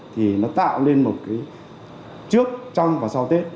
thì nó tạo nên một cái trước trong và sau tết